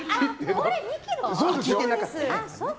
聞いてなかった。